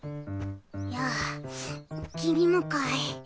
やあ君もかい。